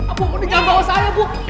ampun jangan bawa saya bu